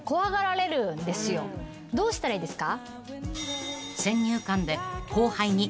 どうしたらいいですか？